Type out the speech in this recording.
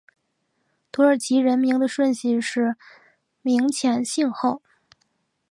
土耳其人名的顺序是名前姓后。